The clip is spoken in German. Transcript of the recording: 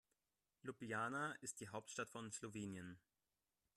Ljubljana ist die Hauptstadt von Slowenien.